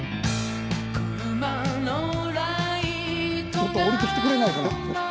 もっと降りてきてくれないかな？